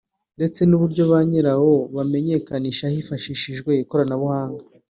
ndetse n’uburyo ba nyirawo bamenyekana hifashishijwe ikoranabuhanga